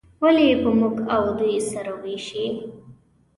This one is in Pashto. ولې یې په موږ او دوی سره ویشي.